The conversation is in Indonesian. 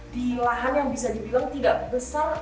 di lahan yang bisa dibilang tidak besar